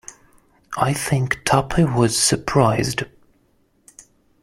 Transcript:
I think Tuppy was surprised.